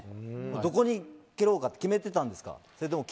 どこに蹴ろうか決めてたんですか。